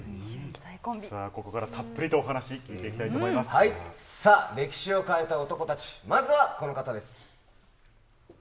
ここからたっぷりとお話聞いさあ、歴史を変えた男たち、まずはこの方です。